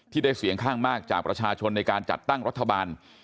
ได้เสียงข้างมากจากประชาชนในการจัดตั้งรัฐบาล